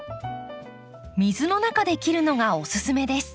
水の中で切るのがおすすめです。